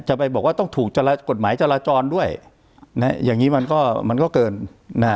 จะไปบอกว่าต้องถูกกฎหมายจราจรด้วยนะฮะอย่างงี้มันก็มันก็เกินนะฮะ